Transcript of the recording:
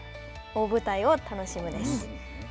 大舞台を楽しむです。